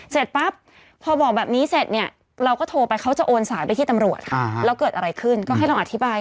เสร็จปั๊บพอบอกแบบนี้เสร็จเนี่ยเราก็โทรไปเขาจะโอนสายไปที่ตำรวจแล้วเกิดอะไรขึ้นก็ให้ลองอธิบาย